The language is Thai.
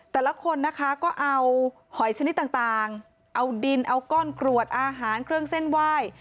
แต่ละคนนะคะก็เอาหอยชนิดต่างเอาดินเอาก้อนกรวดอาหารเครื่องเส้นไหว้